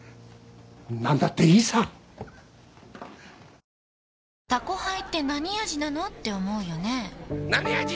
なんだっていいさ「タコハイ」ってなに味なのーって思うよねなに味？